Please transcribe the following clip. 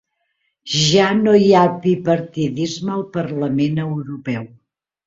Ja no hi ha bipartidisme al Parlament Europeu